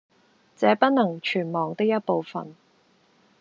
這不能全忘的一部分，